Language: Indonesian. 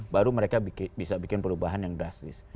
baru mereka bisa bikin perubahan yang drastis